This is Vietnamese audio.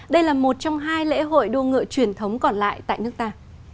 đây là một trong hai lễ hội đua ngựa truyền thống còn lại tại nước ta